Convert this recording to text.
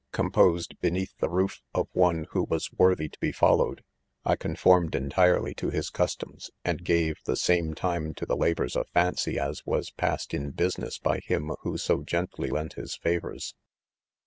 Composed, beneath the roof of one who was worthyto.be followed, I conformed entirely to his* customs ; and gave, the same time to the labors ; of fancy as was passed, in business^ by him who so gently lent his favors.